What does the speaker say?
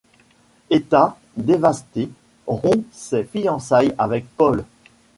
Hetta, dévastée, rompt ses fiançailles avec Paul.